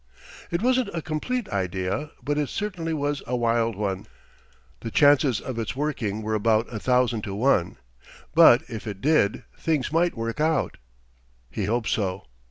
It wasn't a complete idea, but it certainly was a wild one. The chances of its working were about a thousand to one, but if it did things might work out. He hoped so.